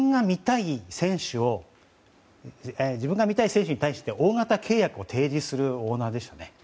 自分が見たい選手に対して大型契約を提示するオーナーでしたね。